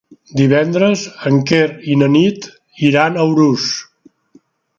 Divendres en Quer i na Nit iran a Urús.